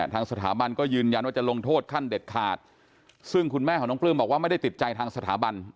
ทางสถาบันก็ยืนยันว่าจะลงโทษขั้นเด็ดขาดซึ่งคุณแม่ของน้องปลื้มบอกว่าไม่ได้ติดใจทางสถาบัน